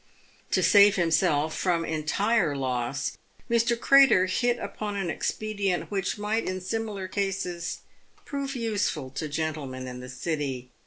To save himself from entire loss, Mr. Crater hit upon an expedient which might in similar cases prove useful to gentlemen in the City.